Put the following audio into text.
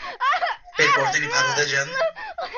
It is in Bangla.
এরপর তিনি ভারতে যান।